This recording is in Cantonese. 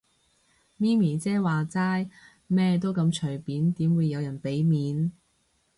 咪咪姐話齋，咩都咁隨便，點會有人俾面